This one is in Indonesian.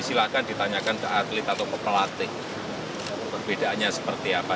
silahkan ditanyakan ke atlet atau ke pelatih perbedaannya seperti apa